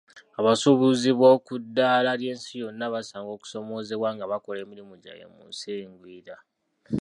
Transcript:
Abasuubuzi b'okuddala ly'ensi yonna basanga okusomoozebwa nga bakola emirimu gyabwe mu nsi engwira.